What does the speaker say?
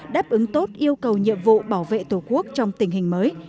đáp ứng tốt yêu cầu nhiệm vụ bảo vệ tổ quốc trong tình hình mới